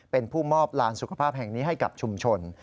เป็นผู้มอบลานสุขภาพแห่งนี้ให้กับชุมชน